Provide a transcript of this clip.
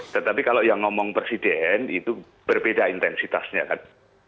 tetapi kalau yang ngomong presiden itu berbeda intensitasnya kan